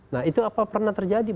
nah itu apa pernah terjadi